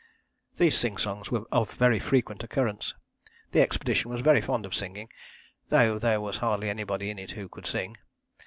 These sing songs were of very frequent occurrence. The expedition was very fond of singing, though there was hardly anybody in it who could sing.